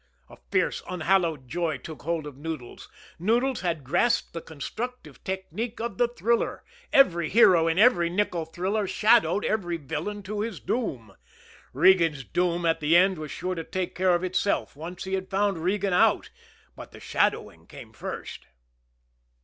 A fierce, unhallowed joy took hold of Noodles. Noodles had grasped the constructive technique of the thriller! Every hero in every nickel thriller shadowed every villain to his doom. Regan's doom at the end was sure to take care of itself once he had found Regan out but the shadowing came first.